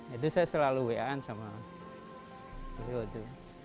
itu saya selalu beaan sama beliau itu